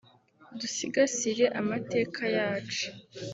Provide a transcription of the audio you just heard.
dusigasire amateka yacu